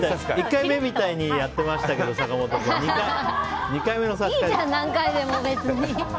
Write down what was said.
１回目みたいにやっていましたけどいいじゃん、何回でも別に。